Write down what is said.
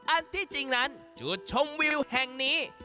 อันที่จริงนั้นจุดชมวิวแห่งนี้